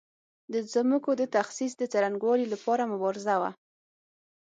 د ځمکو د تخصیص د څرنګوالي لپاره مبارزه وه.